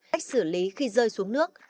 cách xử lý khi rơi xuống nước